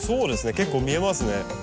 結構見えますね。